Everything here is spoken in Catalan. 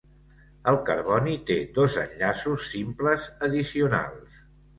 El carboni té dos enllaços simples addicionals.